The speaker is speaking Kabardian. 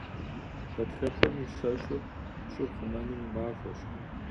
Гъэтхэпэм и щэщӏыр – щӏыр хъумэным и махуэщ.